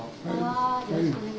よろしくお願い